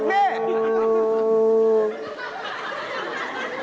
อืม